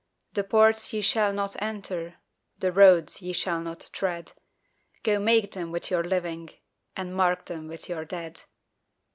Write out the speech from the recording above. The ports ye shall not enter, The roads ye shall not tread, Go make them with your living, And mark them with your dead.